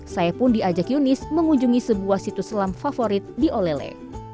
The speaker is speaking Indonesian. saya pun diajak yunis mengunjungi sebuah situs selam favorit di olele